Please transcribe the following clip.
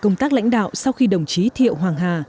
công tác lãnh đạo sau khi đồng chí thiệu hoàng hà